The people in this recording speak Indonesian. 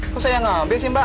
kok saya yang ambil sih mbak